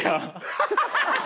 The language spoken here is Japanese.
ハハハハ！